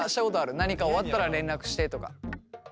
何か終わったら連絡してとか。